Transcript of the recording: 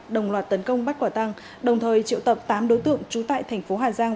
đồng loạt tấn công bắt quả tăng đồng thời triệu tập tám đối tượng trú tại thành phố hà giang